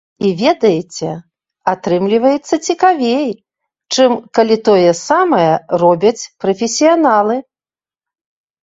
І ведаеце, атрымліваецца цікавей, чым калі тое самае робяць прафесіяналы.